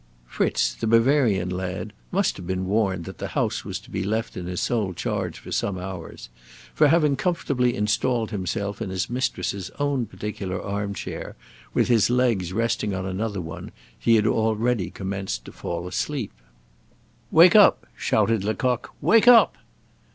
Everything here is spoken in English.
Fritz, the Bavarian lad, must have been warned that the house was to be left in his sole charge for some hours; for having comfortably installed himself in his mistress's own particular armchair, with his legs resting on another one, he had already commenced to fall asleep. "Wake up!" shouted Lecoq; "wake up!"